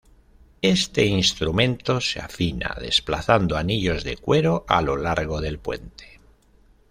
Este instrumento se afina desplazando anillos de cuero a lo largo del puente.